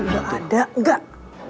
gak ada gak